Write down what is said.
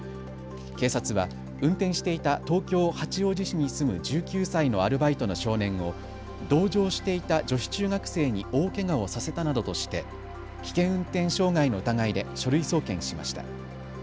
警察は運転していた東京八王子市に住む１９歳のアルバイトの少年を同乗していた女子中学生に大けがをさせたなどとして危険運転傷害の疑いで書類送検しました。